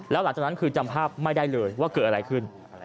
แล้วหลังจากนั้นคือจำภาพไม่ได้เลยว่าเกิดอะไรขึ้น